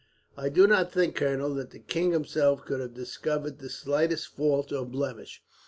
"I do not think, colonel, that the king himself could have discovered the slightest fault or blemish.